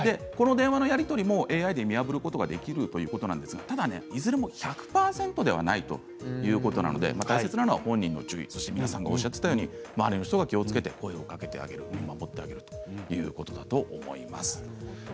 この電話のやり取りもＡＩで見破ることができるということなんですがただいずれも１００％ではないということなので大切なのは本人の注意皆さんがおっしゃっていたように周りの人が注意そして声を掛けてあげたりするということだと思います。